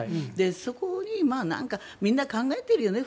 そこに、みんな考えてるよね